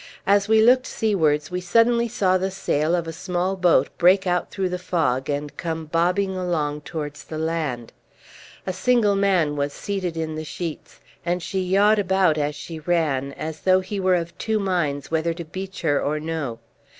As we looked seawards we suddenly saw the sail of a small boat break out through the fog, and come bobbing along towards the land. A single man was seated in the sheets, and she yawed about as she ran, as though he were of two minds whether to beach her or no.